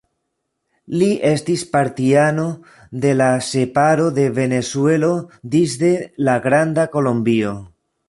Li estis partiano de la separo de Venezuelo disde la Granda Kolombio.